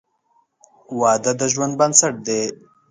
• واده د ژوند بنسټ دی.